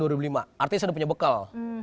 artinya saya sudah punya bekal